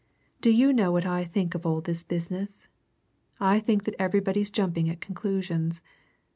"Do you know what I think of all this business? I think that everybody's jumping at conclusions.